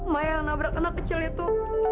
mak yang nabrak anak kecil itu